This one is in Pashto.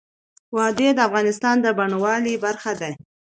وادي د افغانستان د بڼوالۍ برخه ده.